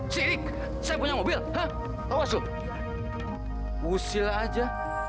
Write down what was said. tirik saya punya mobil ah awas sepuluh sirah aja